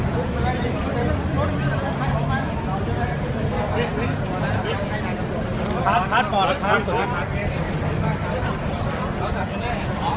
อ๋อของกระเป๋าเข้าด้วยครับของกระเป๋าข้างใน